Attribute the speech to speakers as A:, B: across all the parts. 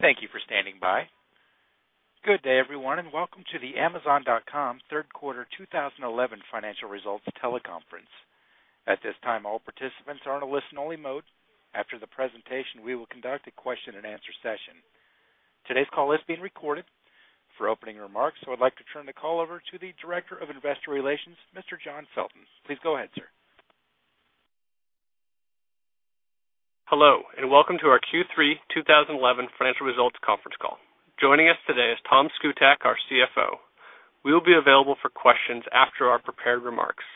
A: Thank you for standing by. Good day, everyone, and welcome to the Amazon.com Third Quarter 2011 Financial Results Teleconference. At this time, all participants are in a listen-only mode. After the presentation, we will conduct a question and answer session. Today's call is being recorded. For opening remarks, I would like to turn the call over to the Director of Investor Relations, Mr. John Sultan. Please go ahead, sir.
B: Hello, and welcome to our Q3 2011 Financial Results Conference Call. Joining us today is Thomas Szkutak, our CFO. We will be available for questions after our prepared remarks.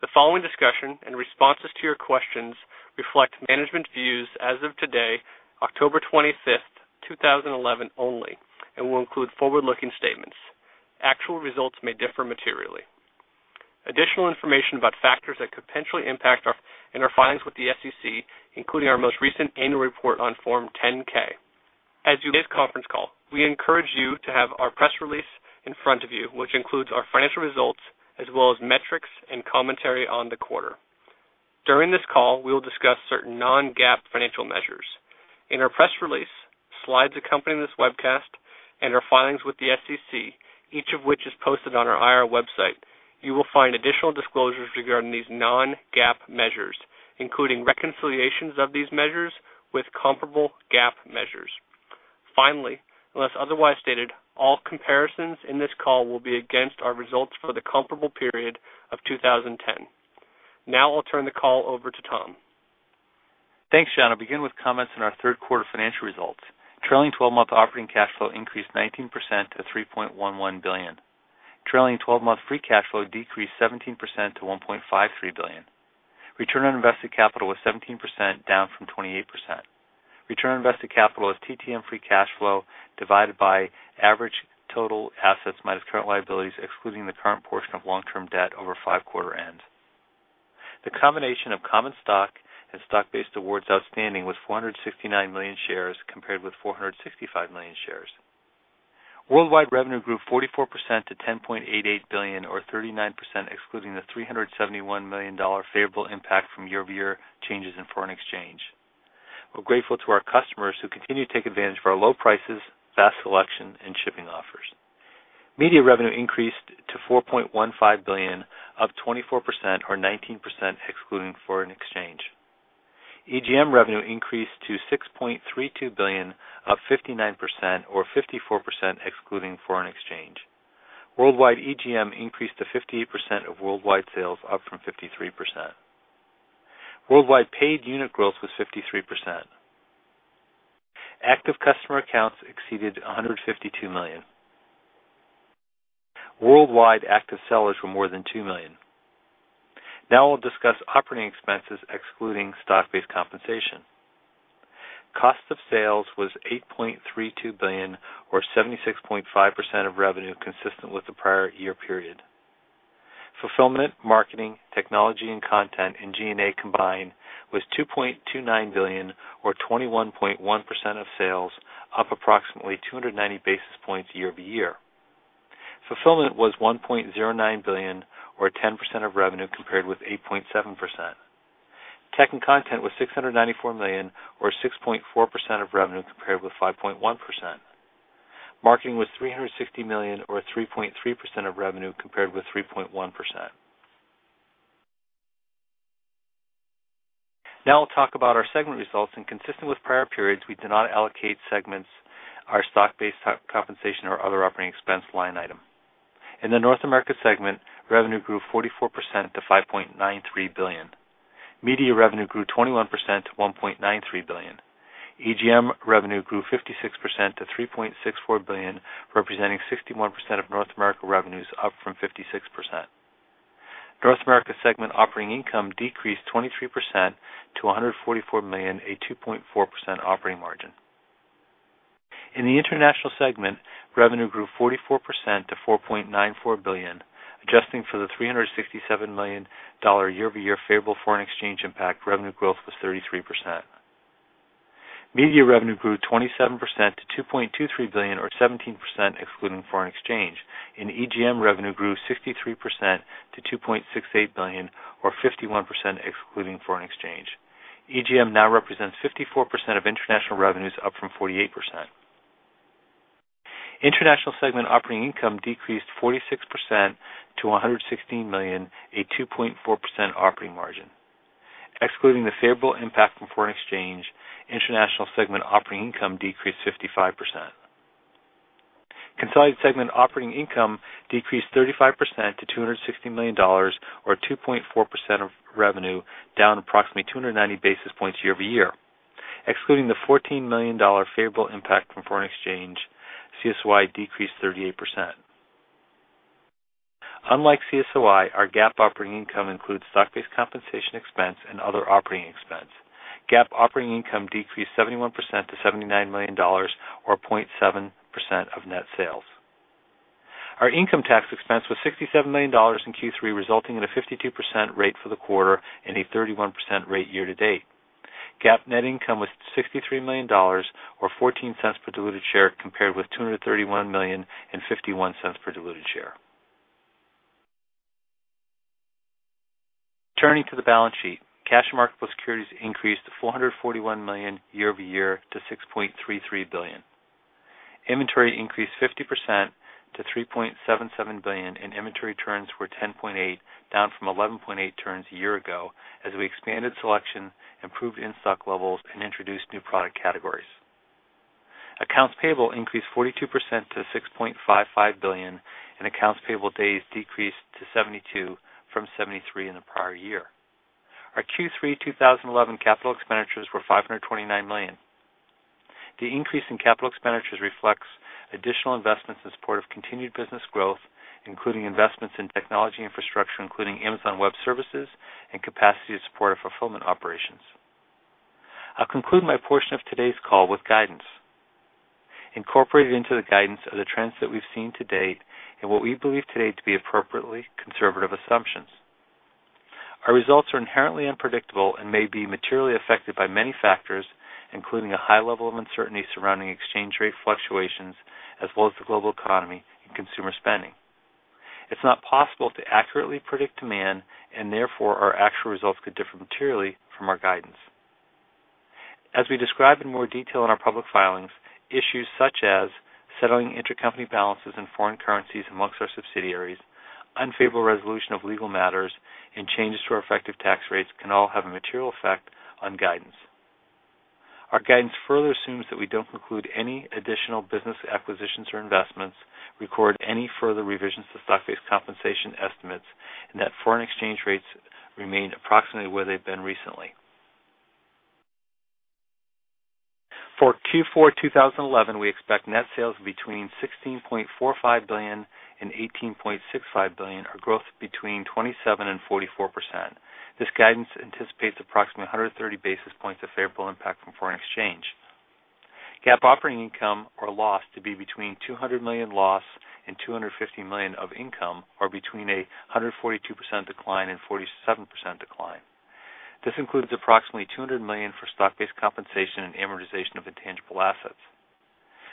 B: The following discussion and responses to your questions reflect management views as of today, October 25, 2011 only, and will include forward-looking statements. Actual results may differ materially. Additional information about factors that could potentially impact our findings with the SEC, including our most recent annual report on Form 10-K. As you listen to this conference call, we encourage you to have our press release in front of you, which includes our financial results as well as metrics and commentary on the quarter. During this call, we will discuss certain non-GAAP financial measures. In our press release, slides accompanying this webcast, and our findings with the SEC, each of which is posted on our IR website, you will find additional disclosures regarding these non-GAAP measures, including reconciliations of these measures with comparable GAAP measures. Finally, unless otherwise stated, all comparisons in this call will be against our results for the comparable period of 2010. Now, I'll turn the call over to Tom.
C: Thanks, John. I'll begin with comments on our Third Quarter Financial Results. Trailing 12-month operating cash flow increased 19% to $3.11 billion. Trailing 12-month free cash flow decreased 17% to $1.53 billion. Return on invested capital was 17%, down from 28%. Return on invested capital was TTM free cash flow divided by average total assets minus current liabilities, excluding the current portion of long-term debt over five quarter ends. The combination of common stock and stock-based awards outstanding was 469 million shares compared with 465 million shares. Worldwide revenue grew 44% to $10.88 billion, or 39% excluding the $371 million favorable impact from year-over-year changes in foreign exchange. We're grateful to our customers who continue to take advantage of our low prices, fast selection, and shipping offers. Media revenue increased to $4.15 billion, up 24%, or 19% excluding foreign exchange. EGM revenue increased to $6.32 billion, up 59%, or 54% excluding foreign exchange. Worldwide EGM increased to 58% of worldwide sales, up from 53%. Worldwide paid unit gross was 53%. Active customer accounts exceeded 152 million. Worldwide active sellers were more than 2 million. Now, we'll discuss operating expenses, excluding stock-based compensation. Cost of sales was $8.32 billion, or 76.5% of revenue, consistent with the prior year period. Fulfillment, marketing, technology, and content in G&A combined was $2.29 billion, or 21.1% of sales, up approximately 290 basis points year-over-year. Fulfillment was $1.09 billion, or 10% of revenue compared with 8.7%. Tech and content was $694 million, or 6.4% of revenue compared with 5.1%. Marketing was $360 million, or 3.3% of revenue compared with 3.1%. Now, I'll talk about our segment results, and consistent with prior periods, we did not allocate segments or stock-based compensation or other operating expense line item. In the North America segment, revenue grew 44% to $5.93 billion. Media revenue grew 21% to $1.93 billion. EGM revenue grew 56% to $3.64 billion, representing 61% of North America revenues, up from 56%. North America segment operating income decreased 23% to $144 million, a 2.4% operating margin. In the International segment, revenue grew 44% to $4.94 billion, adjusting for the $367 million year-over-year favorable foreign exchange impact. Revenue growth was 33%. Media revenue grew 27% to $2.23 billion, or 17% excluding foreign exchange. In EGM, revenue grew 63% to $2.68 billion, or 51% excluding foreign exchange. EGM now represents 54% of International revenues, up from 48%. International segment operating income decreased 46% to $116 million, a 2.4% operating margin. Excluding the favorable impact from foreign exchange, International segment operating income decreased 55%. Consolidated segment operating income decreased 35% to $260 million, or 2.4% of revenue, down approximately 290 basis points year-over-year. Excluding the $14 million favorable impact from foreign exchange, CSY decreased 38%. Unlike CSY, our GAAP operating income includes stock-based compensation expense and other operating expense. GAAP operating income decreased 71% to $79 million, or 0.7% of net sales. Our income tax expense was $67 million in Q3, resulting in a 52% rate for the quarter and a 31% rate year to date. GAAP net income was $63 million, or $0.14 per diluted share, compared with $231 million and $0.51 per diluted share. Turning to the balance sheet, cash and marketable securities increased $441 million year-over-year to $6.33 billion. Inventory increased 50% to $3.77 billion, and inventory turns were 10.8, down from 11.8 turns a year ago, as we expanded selection, improved in-stock levels, and introduced new product categories. Accounts payable increased 42% to $6.55 billion, and accounts payable days decreased to 72 from 73 in the prior year. Our Q3 2011 capital expenditures were $529 million. The increase in capital expenditures reflects additional investments in support of continued business growth, including investments in technology infrastructure, including Amazon Web Services, and capacity to support our fulfillment operations. I'll conclude my portion of today's call with guidance. Incorporated into the guidance are the trends that we've seen to date and what we believe today to be appropriately conservative assumptions. Our results are inherently unpredictable and may be materially affected by many factors, including a high level of uncertainty surrounding exchange rate fluctuations, as well as the global economy and consumer spending. It's not possible to accurately predict demand, and therefore our actual results could differ materially from our guidance. As we describe in more detail in our public filings, issues such as settling intercompany balances and foreign currencies amongst our subsidiaries, unfavorable resolution of legal matters, and changes to our effective tax rates can all have a material effect on guidance. Our guidance further assumes that we don't conclude any additional business acquisitions or investments, record any further revisions to stock-based compensation estimates, and that foreign exchange rates remain approximately where they've been recently. For Q4 2011, we expect net sales between $16.45 billion and $18.65 billion, or growth between 27% and 44%. This guidance anticipates approximately 130 basis points of favorable impact from foreign exchange. GAAP operating income, or loss, to be between $200 million loss and $250 million of income, or between a 142% decline and 47% decline. This includes approximately $200 million for stock-based compensation and amortization of intangible assets.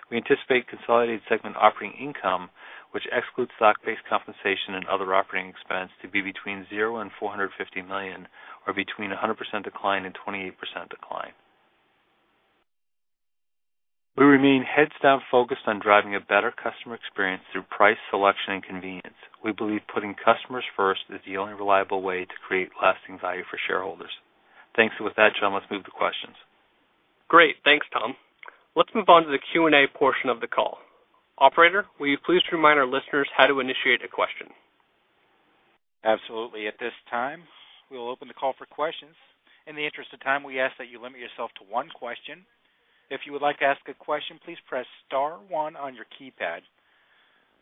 C: We anticipate consolidated segment operating income, which excludes stock-based compensation and other operating expense, to be between $0 and $450 million, or between a 100% decline and 28% decline. We remain heads-down focused on driving a better customer experience through price, selection, and convenience. We believe putting customers first is the only reliable way to create lasting value for shareholders. Thanks, and with that, John, let's move to questions.
B: Great, thanks, Tom. Let's move on to the Q&A portion of the call. Operator, will you please remind our listeners how to initiate a question?
A: Absolutely. At this time, we will open the call for questions. In the interest of time, we ask that you limit yourself to one question. If you would like to ask a question, please press star one on your keypad.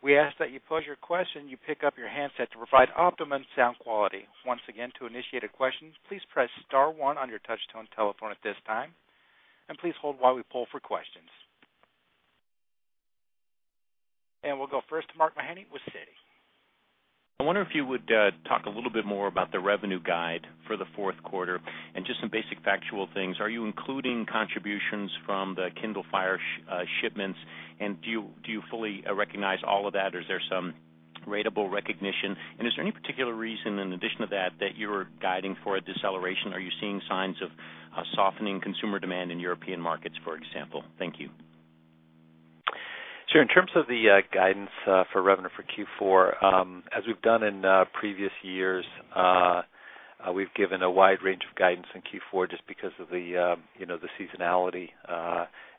A: We ask that you pose your question and you pick up your handset to provide optimum sound quality. Once again, to initiate a question, please press star one on your touch-tone telephone at this time, and please hold while we poll for questions. We go first Mark Mahaney with Citi.
D: I wonder if you would talk a little bit more about the revenue guide for the fourth quarter and just some basic factual things. Are you including contributions from the Kindle Fire shipments, and do you fully recognize all of that, or is there some ratable recognition? Is there any particular reason, in addition to that, that you're guiding for a deceleration? Are you seeing signs of softening consumer demand in European markets, for example? Thank you.
C: Sure. In terms of the guidance for revenue for Q4, as we've done in previous years, we've given a wide range of guidance in Q4 just because of the seasonality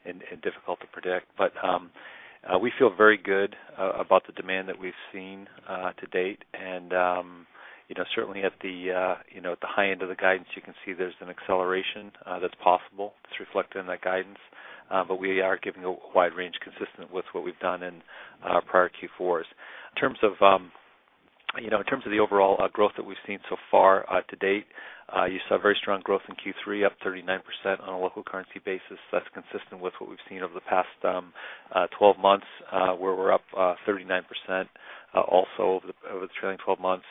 C: and difficult to predict. We feel very good about the demand that we've seen to date, and certainly at the high end of the guidance, you can see there's an acceleration that's possible. It's reflected in that guidance, and we are giving a wide range consistent with what we've done in prior Q4s. In terms of the overall growth that we've seen so far to date, you saw very strong growth in Q3, up 39% on a local currency basis. That's consistent with what we've seen over the past 12 months, where we're up 39% also over the trailing 12 months.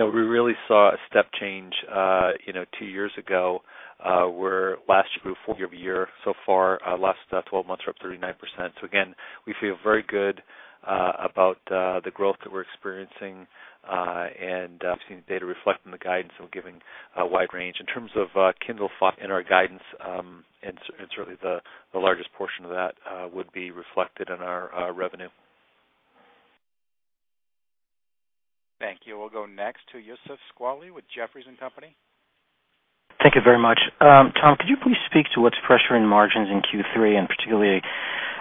C: We really saw a step change two years ago, where last year we were four year-over-year. So far, the last 12 months are up 39%. We feel very good about the growth that we're experiencing, and I've seen the data reflecting the guidance, and we're giving a wide range. In terms of Kindle, in our guidance, and certainly the largest portion of that would be reflected in our revenue.
A: Thank you. We'll go next to Youssef Squali with Jefferies & Company.
E: Thank you very much. Tom, could you please speak to what's pressuring margins in Q3, and particularly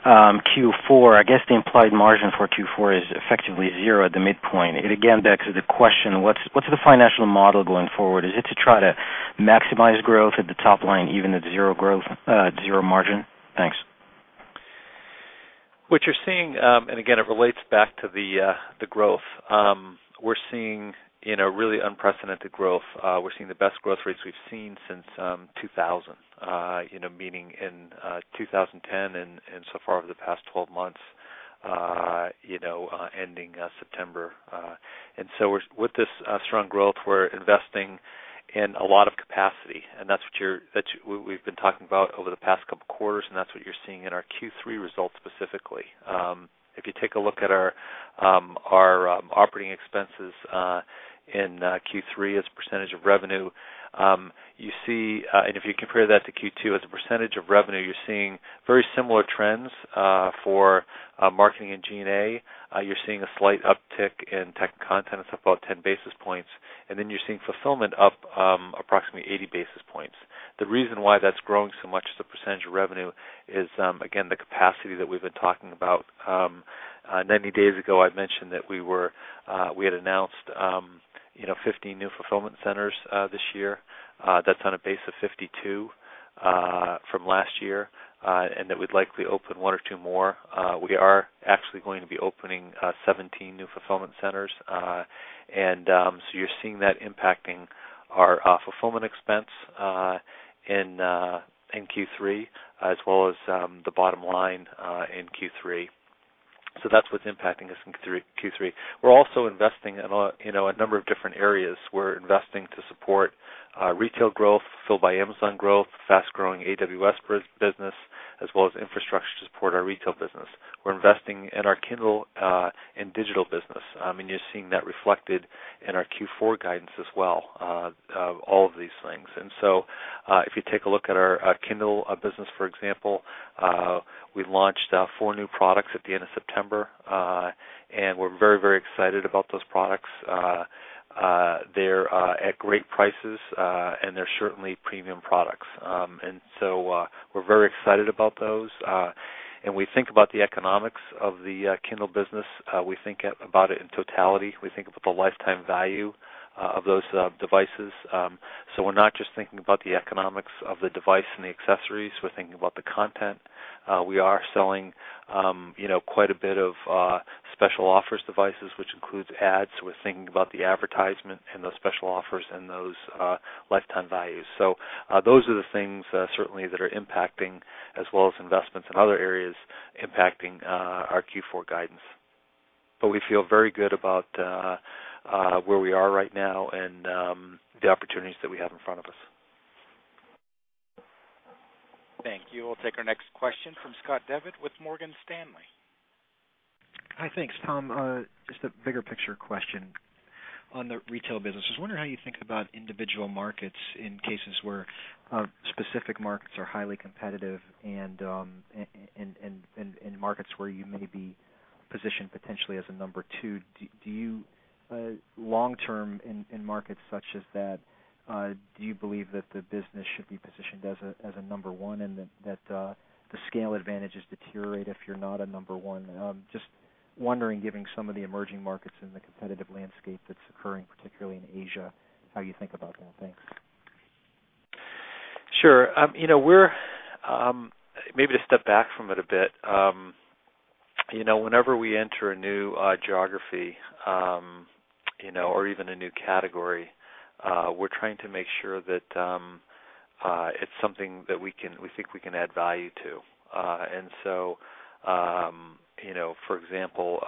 E: Q4? I guess the implied margin for Q4 is effectively zero at the midpoint. It again begs the question, what's the financial model going forward? Is it to try to maximize growth at the top line, even at zero growth, zero margin? Thanks.
C: What you're seeing, and again, it relates back to the growth, we're seeing really unprecedented growth. We're seeing the best growth rates we've seen since 2000, meaning in 2010 and so far over the past 12 months, ending September. With this strong growth, we're investing in a lot of capacity, and that's what we've been talking about over the past couple of quarters, and that's what you're seeing in our Q3 results specifically. If you take a look at our operating expenses in Q3 as a percentage of revenue, you see, and if you compare that to Q2 as a percentage of revenue, you're seeing very similar trends for marketing and G&A. You're seeing a slight uptick in tech content. It's up about 10 basis points, and then you're seeing fulfillment up approximately 80 basis points. The reason why that's growing so much as a percentage of revenue is, again, the capacity that we've been talking about. 90 days ago, I mentioned that we had announced 15 new fulfillment centers this year. That's on a base of 52 from last year, and that we'd likely open one or two more. We are actually going to be opening 17 new fulfillment centers, and you're seeing that impacting our fulfillment expense in Q3, as well as the bottom line in Q3. That's what's impacting us in Q3. We're also investing in a number of different areas. We're investing to support retail growth, Fulfilled by Amazon growth, fast-growing AWS business, as well as infrastructure to support our retail business. We're investing in our Kindle and digital business, and you're seeing that reflected in our Q4 guidance as well, all of these things. If you take a look at our Kindle business, for example, we launched four new products at the end of September, and we're very, very excited about those products. They're at great prices, and they're certainly premium products. We're very excited about those, and we think about the economics of the Kindle business. We think about it in totality. We think about the lifetime value of those devices. We're not just thinking about the economics of the device and the accessories. We're thinking about the content. We are selling quite a bit of special offers devices, which includes ads. We're thinking about the advertisement and those special offers and those lifetime values. Those are the things certainly that are impacting, as well as investments in other areas, impacting our Q4 guidance. We feel very good about where we are right now and the opportunities that we have in front of us.
A: Thank you. We'll take our next question from Scott Devitt with Morgan Stanley.
F: Hi, thanks, Tom. Just a bigger picture question on the retail business. I was wondering how you think about individual markets in cases where specific markets are highly competitive and markets where you may be positioned potentially as a number 2. Do you, long term, in markets such as that, believe that the business should be positioned as a number 1 and that the scale advantages deteriorate if you're not a number 1? Just wondering, given some of the emerging markets and the competitive landscape that's occurring, particularly in Asia, how you think about that. Thanks.
C: Sure. Maybe to step back from it a bit, whenever we enter a new geography or even a new category, we're trying to make sure that it's something that we think we can add value to. For example,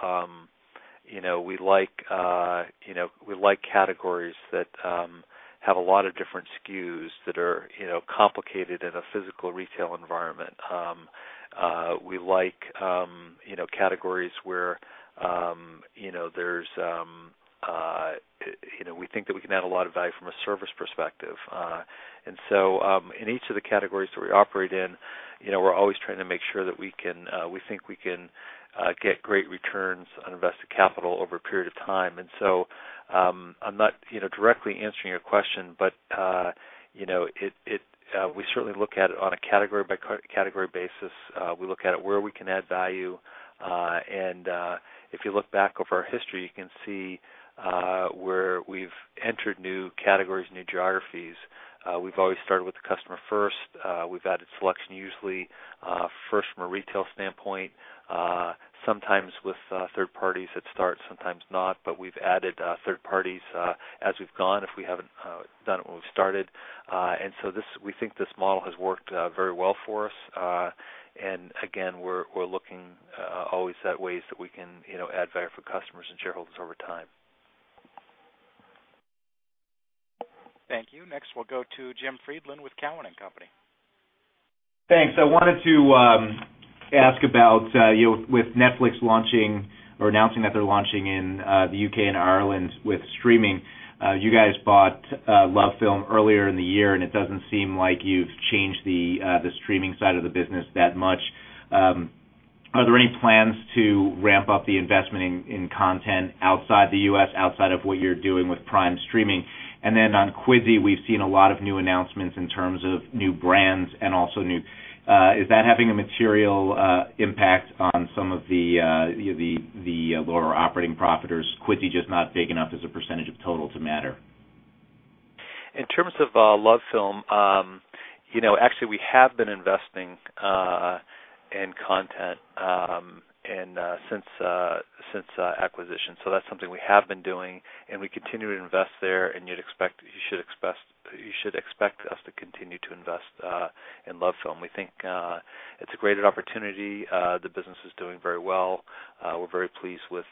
C: we like categories that have a lot of different SKUs that are complicated in a physical retail environment. We like categories where we think that we can add a lot of value from a service perspective. In each of the categories that we operate in, we're always trying to make sure that we think we can get great returns on invested capital over a period of time. I'm not directly answering your question, but we certainly look at it on a category-by-category basis. We look at it where we can add value. If you look back over our history, you can see where we've entered new categories, new geographies. We've always started with the customer first. We've added selection usually first from a retail standpoint, sometimes with third-parties at start, sometimes not, but we've added third-parties as we've gone if we haven't done it when we've started. We think this model has worked very well for us. Again, we're looking always at ways that we can add value for customers and shareholders over time.
A: Thank you. Next, we'll go to Jim Friedland with Cowen and Company.
G: Thanks. I wanted to ask about, you know, with Netflix launching or announcing that they're launching in the U.K. and Ireland with streaming, you guys bought LoveFilm earlier in the year, and it doesn't seem like you've changed the streaming side of the business that much. Are there any plans to ramp-up the investment in content outside the U.S., outside of what you're doing with Prime streaming? Then on Quizzy, we've seen a lot of new announcements in terms of new brands and also new. Is that having a material impact on some of the lower operating profits, or is Quizzy just not big enough as a percentage of total to matter?
C: In terms of LoveFilm, you know, actually, we have been investing in content since acquisition. That's something we have been doing, and we continue to invest there, and you'd expect us to continue to invest in LoveFilm. We think it's a great opportunity. The business is doing very well. We're very pleased with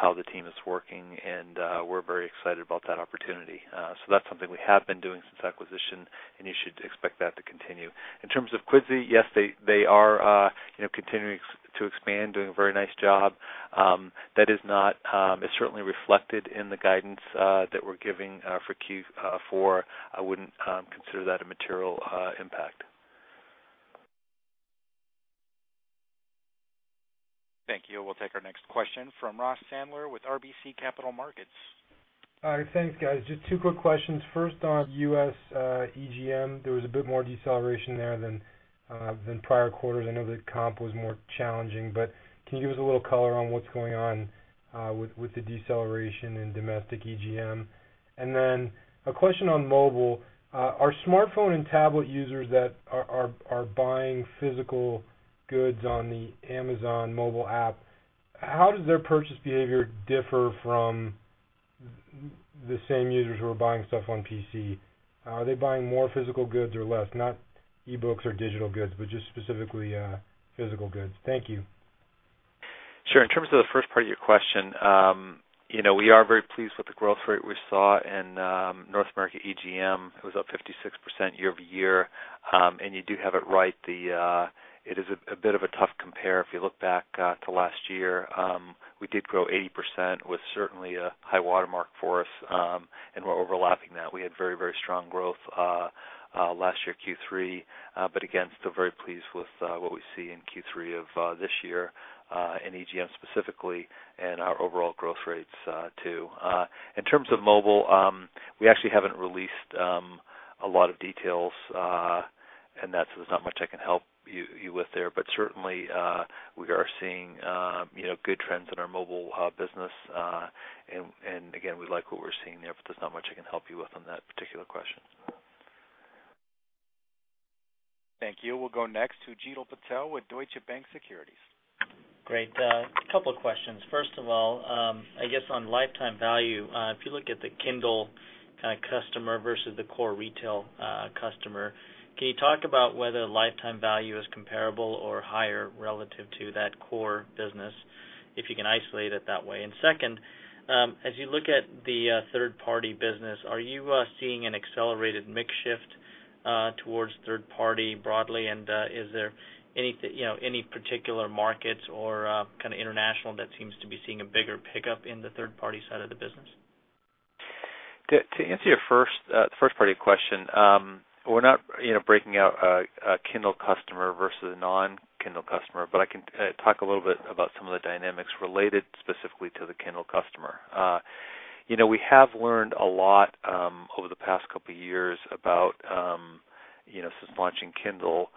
C: how the team is working, and we're very excited about that opportunity. That's something we have been doing since acquisition, and you should expect that to continue. In terms of Quizzy, yes, they are continuing to expand, doing a very nice job. That is certainly reflected in the guidance that we're giving for Q4. I wouldn't consider that a material impact.
A: Thank you. We'll take our next question from Ross Sandler with RBC Capital Markets.
H: Hi, thanks, guys. Just two quick questions. First on U.S. EGM. There was a bit more deceleration there than prior quarters. I know the comp was more challenging, but can you give us a little color on what's going on with the deceleration in domestic EGM? A question on mobile. Are smartphone and tablet users that are buying physical goods on the Amazon mobile app, how does their purchase behavior differ from the same users who are buying stuff on PC? Are they buying more physical goods or less? Not e-books or digital goods, but just specifically physical goods. Thank you.
C: Sure. In terms of the first part of your question, we are very pleased with the growth rate we saw in North America EGM. It was up 56% year-over-year. You do have it right. It is a bit of a tough compare. If you look back to last year, we did grow 80%, which was certainly a high watermark for us, and we're overlapping that. We had very, very strong growth last year, Q3, but we are still very pleased with what we see in Q3 of this year in EGM specifically and our overall growth rates too. In terms of mobile, we actually haven't released a lot of details in that, so there's not much I can help you with there. We are seeing good trends in our mobile business. We like what we're seeing there, but there's not much I can help you with on that particular question.
A: Thank you. We'll go next to Jeetil Patel with Deutsche Bank Securities.
I: Great. A couple of questions. First of all, I guess on lifetime value, if you look at the Kindle kind of customer vs the core retail customer, can you talk about whether lifetime value is comparable or higher relative to that core business, if you can isolate it that way? Second, as you look at the third-party business, are you seeing an accelerated makeshift towards third-party broadly, and is there any particular markets or kind of international that seems to be seeing a bigger pickup in the third-party side of the business?
C: To answer your first part of your question, we're not breaking out a Kindle customer vs a non-Kindle customer, but I can talk a little bit about some of the dynamics related specifically to the Kindle customer. We have learned a lot over the past couple of years about, since launching Kindle,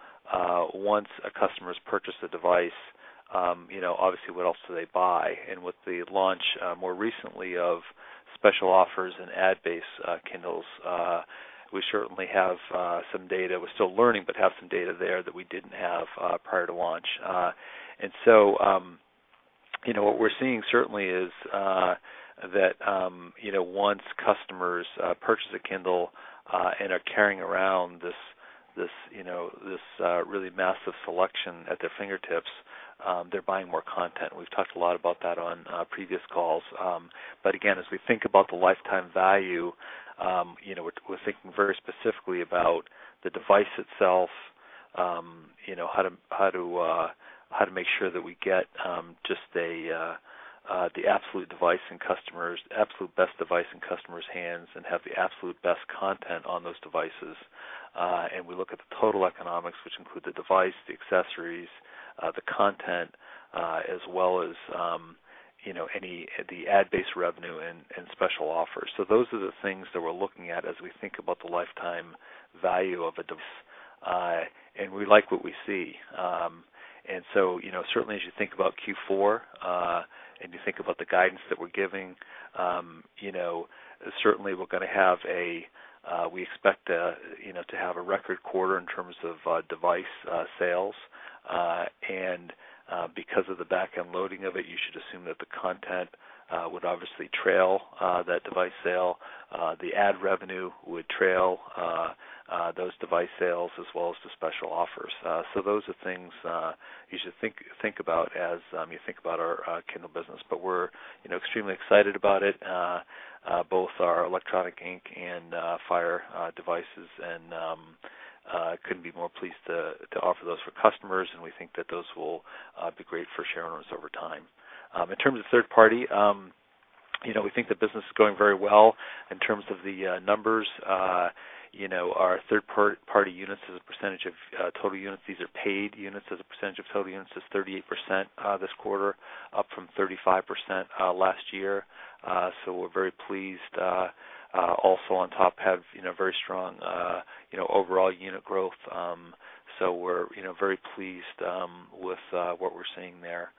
C: once a customer has purchased the device, obviously, what else do they buy? With the launch more recently of special offers and ad-supported models, we certainly have some data. We're still learning, but have some data there that we didn't have prior to launch. What we're seeing certainly is that once customers purchase a Kindle and are carrying around this really massive selection at their fingertips, they're buying more content. We've talked a lot about that on previous calls. As we think about the lifetime value, we're thinking very specifically about the device itself, how to make sure that we get just the absolute best device in customers' hands and have the absolute best content on those devices. We look at the total economics, which include the device, the accessories, the content, as well as any of the ad-supported revenue and special offers. Those are the things that we're looking at as we think about the lifetime value of a device. We like what we see. Certainly, as you think about Q4 and you think about the guidance that we're giving, we expect to have a record quarter in terms of device sales. Because of the backend loading of it, you should assume that the content would obviously trail that device sale. The ad revenue would trail those device sales, as well as the special offers. Those are things you should think about as you think about our Kindle business. We're extremely excited about it, both our Electronic Ink and Fire devices, and couldn't be more pleased to offer those for customers. We think that those will be great for shareholders over time. In terms of third-party, we think the business is going very well. In terms of the numbers, our third-party units as a percentage of total units, these are paid units as a percentage of total units, is 38% this quarter, up from 35% last year. We're very pleased. Also, on top, have very strong overall unit growth. We're very pleased with what we're seeing there.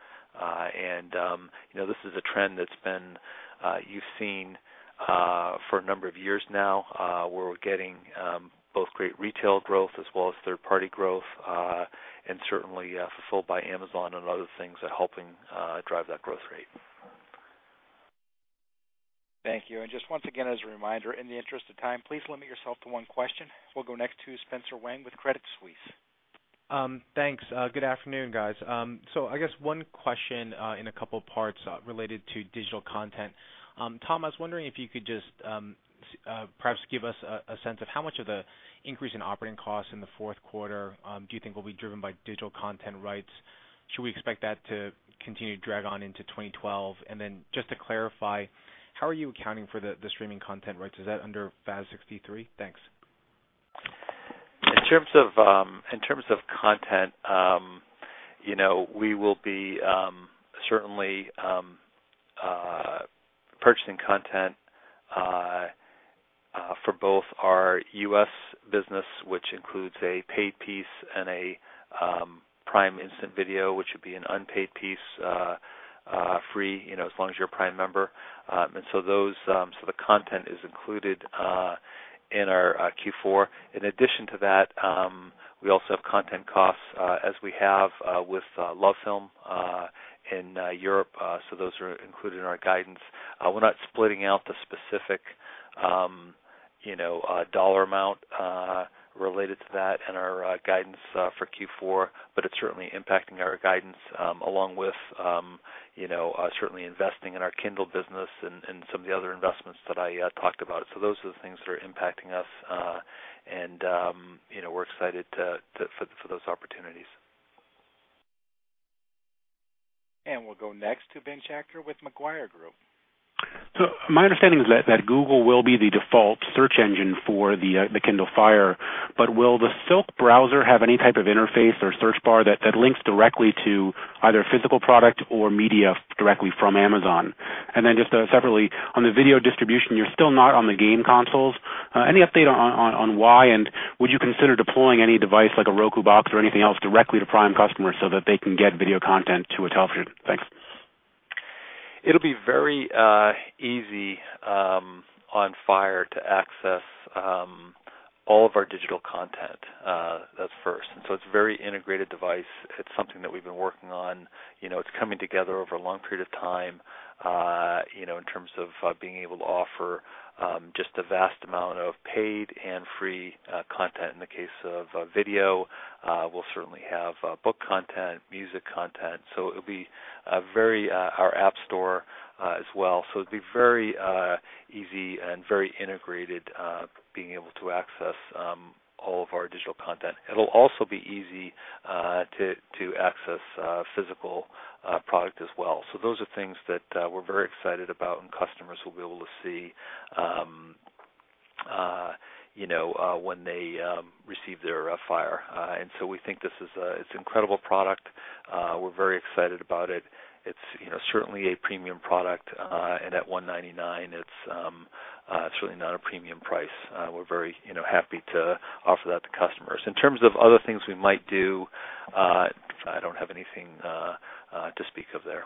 C: This is a trend that you've seen for a number of years now, where we're getting both great retail growth, as well as third-party growth, and certainly Fulfillment by Amazon and other things that are helping drive that growth rate.
A: Thank you. As a reminder, in the interest of time, please limit yourself to one question. We'll go next to Spencer Wang with Credit Suisse.
J: Thanks. Good afternoon, guys. I guess one question in a couple of parts related to digital content. Tom, I was wondering if you could just perhaps give us a sense of how much of the increase in operating costs in the fourth quarter you think will be driven by digital content rights. Should we expect that to continue to drag on into 2012? Just to clarify, how are you accounting for the streaming content rights? Is that under FAS 63? Thanks.
C: In terms of content, we will be certainly purchasing content for both our U.S. business, which includes a paid piece, and a Prime Video, which would be an unpaid piece free, as long as you're a Prime member. The content is included in our Q4. In addition to that, we also have content costs, as we have with LoveFilm in Europe. Those are included in our guidance. We're not splitting out the specific dollar amount related to that in our guidance for Q4, but it's certainly impacting our guidance, along with certainly investing in our Kindle business and some of the other investments that I talked about. Those are the things that are impacting us, and we're excited for those opportunities.
A: We will go next to Ben Schachter with Macquarie Group.
K: My understanding is that Google will be the default search engine for the Kindle Fire, but will the Silk browser have any type of interface or search bar that links directly to either a physical product or media directly from Amazon? Separately, on the video distribution, you're still not on the game consoles. Any update on why, and would you consider deploying any device like a Roku Box or anything else directly to Prime customers so that they can get video content to a television? Thanks.
C: It'll be very easy on Fire to access all of our digital content. That's first. It's a very integrated device. It's something that we've been working on. It's coming together over a long period of time in terms of being able to offer just a vast amount of paid and free content. In the case of video, we'll certainly have book content, music content. It'll be very easy to access our app store as well. It's very easy and very integrated, being able to access all of our digital content. It'll also be easy to access a physical product as well. Those are things that we're very excited about, and customers will be able to see when they receive their Fire. We think it's an incredible product. We're very excited about it. It's certainly a premium product, and at $199, it's certainly not a premium price. We're very happy to offer that to customers. In terms of other things we might do, I don't have anything to speak of there.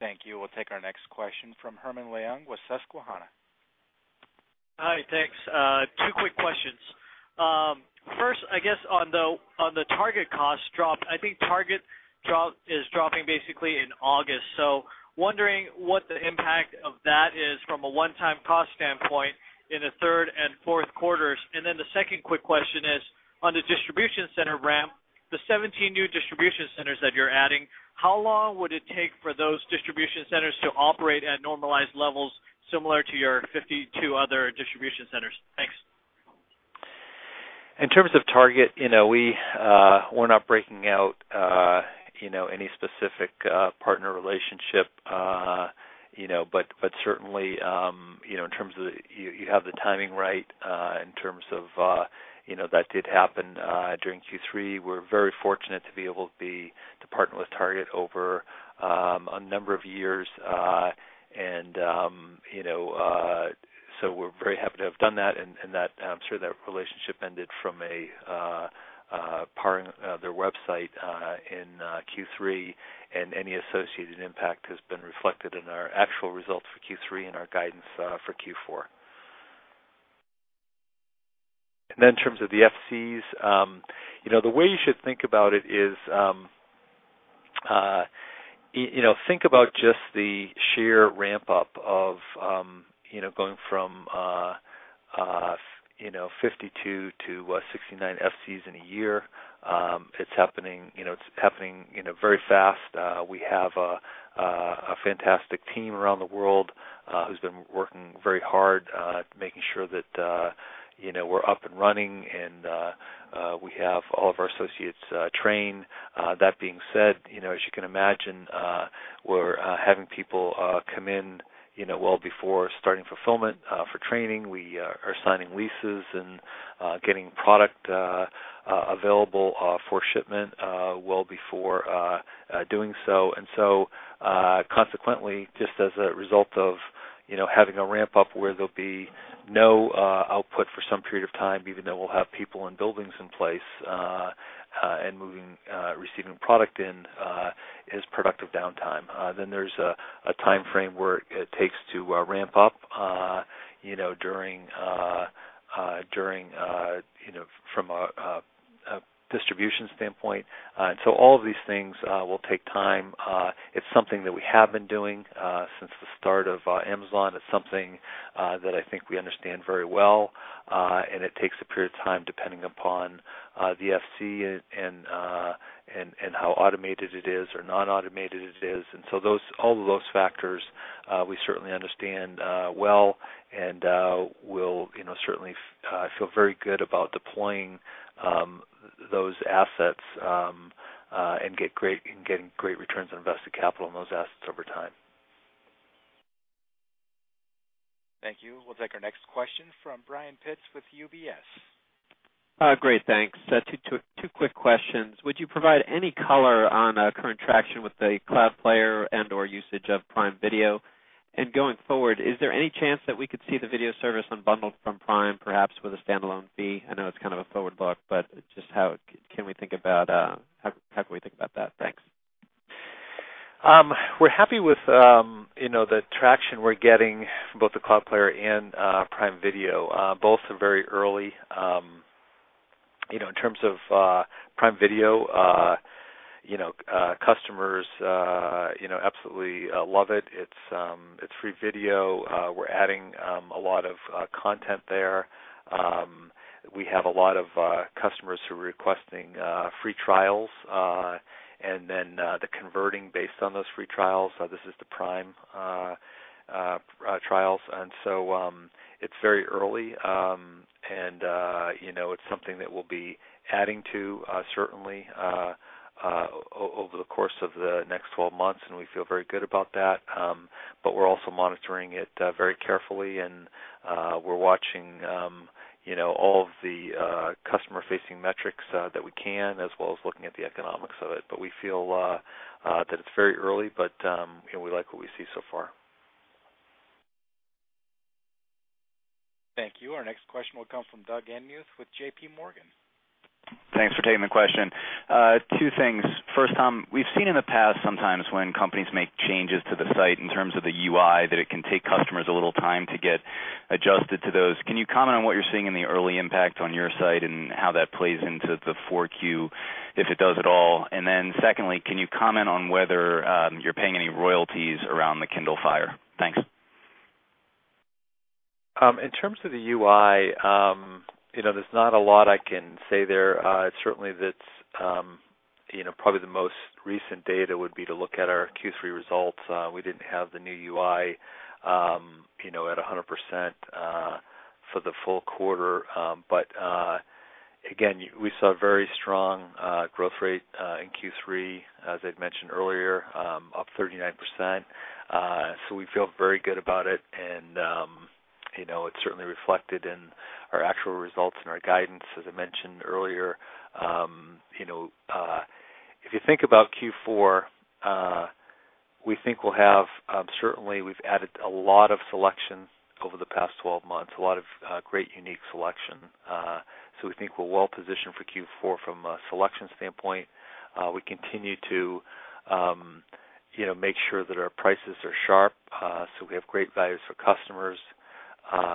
A: Thank you. We'll take our next question from Herman Leung with Susquehanna.
L: Hi, thanks. Two quick questions. First, I guess on the Target cost drop, I think Target drop is dropping basically in August. I'm wondering what the impact of that is from a one-time cost standpoint in the third and fourth quarters. The second quick question is, on the distribution center ramp, the 17 new distribution centers that you're adding, how long would it take for those distribution centers to operate at normalized levels similar to your 52 other distribution centers? Thanks.
C: In terms of Target, we're not breaking out any specific partner relationship, but certainly, you have the timing right in terms of that did happen during Q3. We're very fortunate to be able to partner with Target over a number of years. We're very happy to have done that, and I'm sure that relationship ended from powering their website in Q3, and any associated impact has been reflected in our actual results for Q3 and our guidance for Q4. In terms of the FCs, the way you should think about it is just the sheer ramp-up of going from 52-69 FCs in a year. It's happening very fast. We have a fantastic team around the world who's been working very hard, making sure that we're up and running, and we have all of our associates trained. That being said, as you can imagine, we're having people come in well before starting fulfillment for training. We are signing leases and getting product available for shipment well before doing so. Consequently, just as a result of having a ramp-up where there'll be no output for some period of time, even though we'll have people in buildings in place and receiving product in, is productive downtime. There's a timeframe where it takes to ramp-up from a distribution standpoint. All of these things will take time. It's something that we have been doing since the start of Amazon. It's something that I think we understand very well, and it takes a period of time depending upon the FC and how automated it is or non-automated it is. All of those factors we certainly understand well, and we certainly feel very good about deploying those assets and getting great returns on invested capital in those assets over time.
A: Thank you. We'll take our next question from Brian Pitz with UBS.
M: Great, thanks. Two quick questions. Would you provide any color on current traction with the Cloud Player and/or usage of Prime Video? Going forward, is there any chance that we could see the video service unbundled from Prime, perhaps with a stand-alone fee? I know it's kind of a forward look, but just how can we think about that? Thanks.
C: We're happy with the traction we're getting from both the Cloud Player and Prime Video. Both are very early. In terms of Prime Video, customers absolutely love it. It's free video. We're adding a lot of content there. We have a lot of customers who are requesting free trials and then they're converting based on those free trials. This is the Prime trials. It's very early, and it's something that we'll be adding to certainly over the course of the next 12 months, and we feel very good about that. We're also monitoring it very carefully, and we're watching all of the customer-facing metrics that we can, as well as looking at the economics of it. We feel that it's very early, but we like what we see so far.
A: Thank you. Our next question will come from Doug Anmuth with JP Morgan.
N: Thanks for taking the question. Two things. First, Tom, we've seen in the past sometimes when companies make changes to the site in terms of the UI, that it can take customers a little time to get adjusted to those. Can you comment on what you're seeing in the early impact on your site and how that plays into the 4Q, if it does at all? Secondly, can you comment on whether you're paying any royalties around the Kindle Fire? Thanks.
C: In terms of the UI, there's not a lot I can say there. It's certainly that probably the most recent data would be to look at our Q3 results. We didn't have the new UI at 100% for the full quarter. Again, we saw a very strong growth rate in Q3, as I'd mentioned earlier, up 39%. We feel very good about it, and it's certainly reflected in our actual results and our guidance, as I mentioned earlier. If you think about Q4, we think we'll have certainly, we've added a lot of selection over the past 12 months, a lot of great unique selection. We think we're well positioned for Q4 from a selection standpoint. We continue to make sure that our prices are sharp, so we have great values for customers.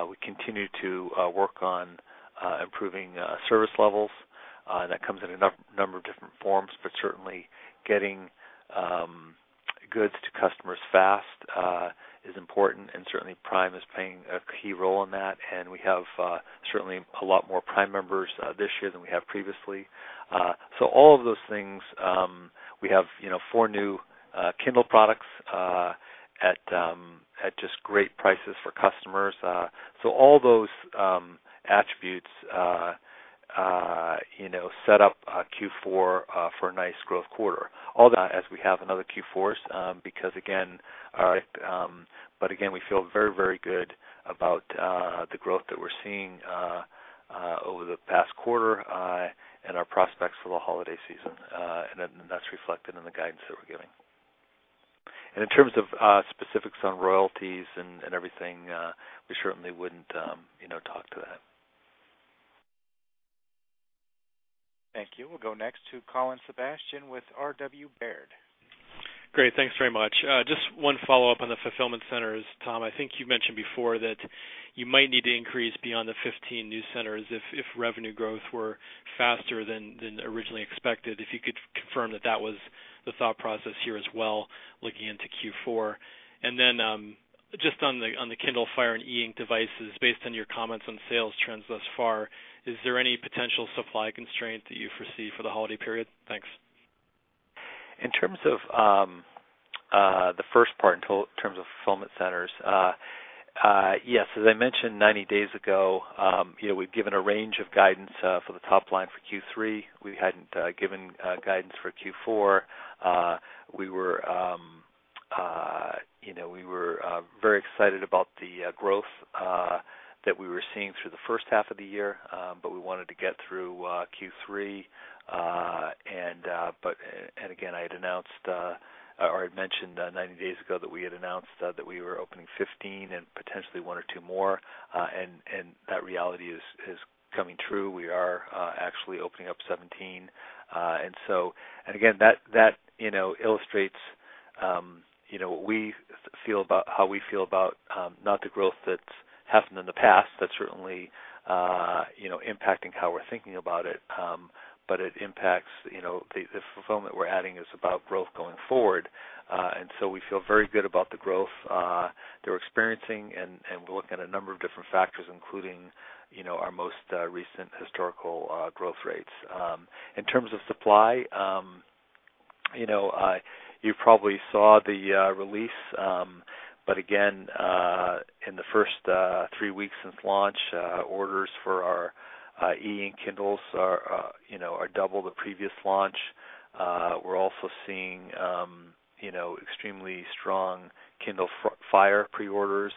C: We continue to work on improving service levels, and that comes in a number of different forms, but certainly getting goods to customers fast is important, and Prime is playing a key role in that. We have certainly a lot more Prime members this year than we have previously. All of those things, we have four new Kindle products at just great prices for customers. All those attributes set up Q4 for a nice growth quarter. We feel very, very good about the growth that we're seeing over the past quarter and our prospects for the holiday season. That's reflected in the guidance that we're giving. In terms of specifics on royalties and everything, we certainly wouldn't talk to that.
A: Thank you. We'll go next to Colin Sebastian with RW Baird.
O: Great, thanks very much. Just one follow-up on the fulfillment centers, Tom. I think you mentioned before that you might need to increase beyond the 15 new centers if revenue growth were faster than originally expected. If you could confirm that that was the thought process here as well, looking into Q4. Just on the Kindle Fire and E-Ink devices, based on your comments on sales trends thus far, is there any potential supply constraint that you foresee for the holiday period? Thanks.
C: In terms of the first part in terms of fulfillment centers, yes. As I mentioned 90 days ago, we've given a range of guidance for the top line for Q3. We hadn't given guidance for Q4. We were very excited about the growth that we were seeing through the first half of the year, but we wanted to get through Q3. I had mentioned 90 days ago that we had announced that we were opening 15 and potentially 1 or 2 more, and that reality is coming true. We are actually opening up 17. That illustrates how we feel about not the growth that's happened in the past. That's certainly impacting how we're thinking about it, but it impacts the fulfillment we're adding is about growth going forward. We feel very good about the growth that we're experiencing, and we're looking at a number of different factors, including our most recent historical growth rates. In terms of supply, you probably saw the release, but in the first three weeks since launch, orders for our E-Ink Kindles are double the previous launch. We're also seeing extremely strong Kindle Fire pre-orders,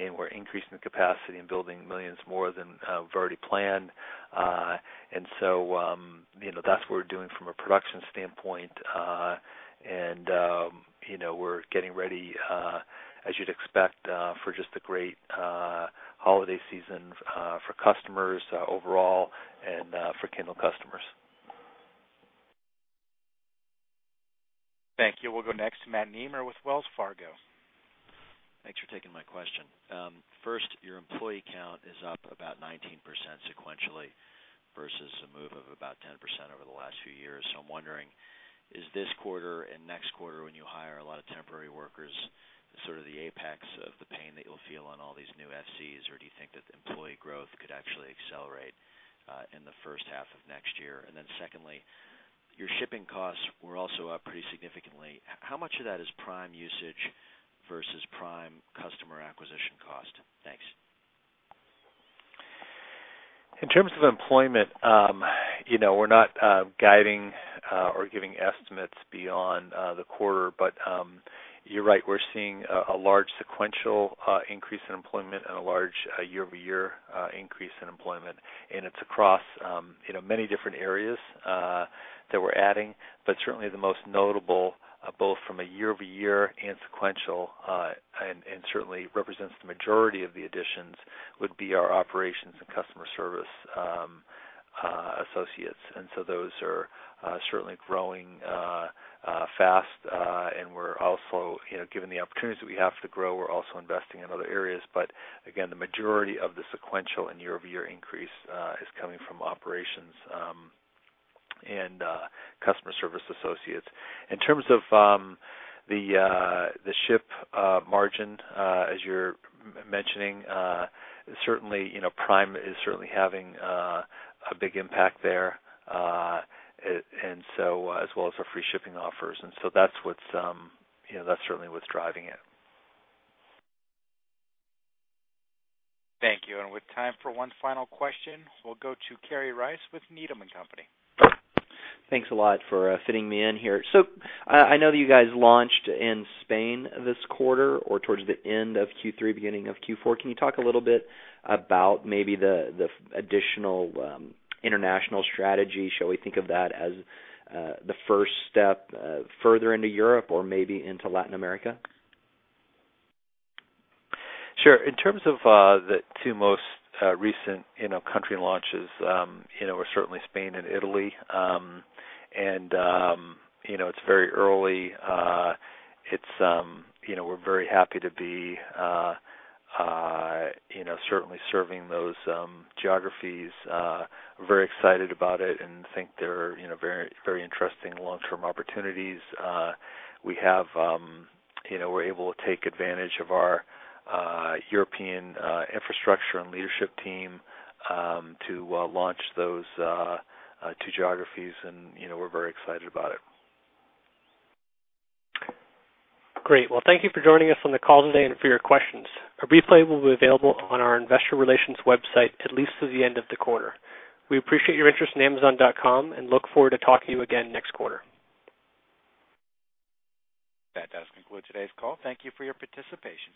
C: and we're increasing the capacity and building millions more than we've already planned. That's what we're doing from a production standpoint, and we're getting ready, as you'd expect, for just a great holiday season for customers overall and for Kindle customers.
A: Thank you. We'll go next to Matt Nemer with Wells Fargo.
P: Thanks for taking my question. First, your employee count is up about 19% sequentially vs a move of about 10% over the last few years. I'm wondering, is this quarter and next quarter when you hire a lot of temporary workers sort of the apex of the pain that you'll feel on all these new fulfillment centers, or do you think that employee growth could actually accelerate in the first half of next year? Secondly, your shipping costs were also up pretty significantly. How much of that is Prime Usage vs Prime Customer Acquisition cost? Thanks.
C: In terms of employment, we're not guiding or giving estimates beyond the quarter, but you're right. We're seeing a large sequential increase in employment and a large year-over-year increase in employment, and it's across many different areas that we're adding. Certainly, the most notable, both from a year-over-year and sequential, and certainly represents the majority of the additions, would be our operations and customer service associates. Those are certainly growing fast, and we're also, given the opportunities that we have to grow, we're also investing in other areas. Again, the majority of the sequential and year-over-year increase is coming from operations and customer service associates. In terms of the ship margin, as you're mentioning, Prime is certainly having a big impact there, as well as our free shipping offers. That's certainly what's driving it.
A: Thank you. With time for one final question, we'll go to Kerry Rice with Needham & Company.
Q: Thanks a lot for fitting me in here. I know that you guys launched in Spain this quarter or towards the end of Q3, beginning of Q4. Can you talk a little bit about maybe the additional international strategy? Shall we think of that as the first step further into Europe or maybe into Latin America?
C: Sure. In terms of the two most recent country launches, certainly Spain and Italy, it's very early. We're very happy to be serving those geographies. We're very excited about it and think they're very interesting long-term opportunities. We're able to take advantage of our European infrastructure and leadership team to launch those two geographies, and we're very excited about it.
B: Great. Thank you for joining us on the call today and for your questions. A brief update will be available on our investor relations website at least through the end of the quarter. We appreciate your interest in Amazon.com and look forward to talking to you again next quarter.
A: That does conclude today's call. Thank you for your participation.